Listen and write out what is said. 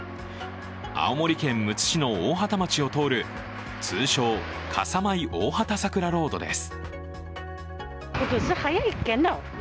青森県むつ市の大畑町を通る通称、来さまい大畑桜ロードです。